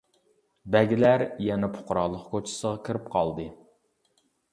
بەگلەر يەنە پۇقرالىق كوچىسىغا كىرىپ قالدى.